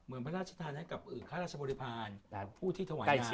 เหมือนพระราชทานักกับอื่นพระราชบริพาณผู้ที่ถวายงาน